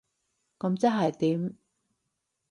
噉即係點？